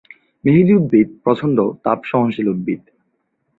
মেহেদি উদ্ভিদ প্রচন্ড তাপ সহনশীল উদ্ভিদ।